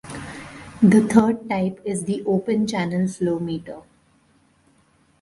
The third type is the Open-Channel flow meter.